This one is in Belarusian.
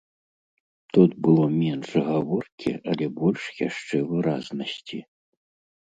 Тут было менш гаворкі, але больш яшчэ выразнасці.